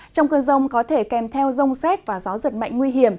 trong cơn rông có thể kèm theo rông xét và gió giật mạnh nguy hiểm